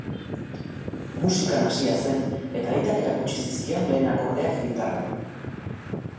Musikan hasia zen eta aitak erakutsi zizkion lehen akordeak gitarran.